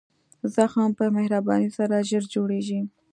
زخم په مهربانۍ سره ژر جوړېږي.